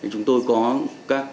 chúng tôi có các